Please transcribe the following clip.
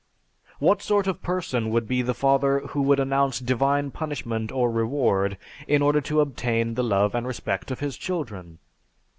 What sort of person would be the father who would announce divine punishment or reward in order to obtain the love and respect of his children?